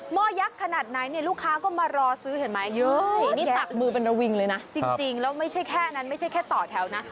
ห้อยักษ์ขนาดไหนเนี่ยลูกค้าก็มารอซื้อเห็นไหมนี่ตักมือเป็นระวิงเลยนะจริงแล้วไม่ใช่แค่นั้นไม่ใช่แค่ต่อแถวนะ